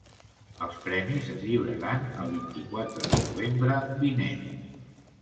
Els premis es lliuraran el vint-i-quatre de novembre vinent.